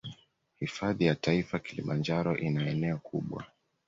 Hifadhi ya taifa kilimanjaro ina eneo kubwa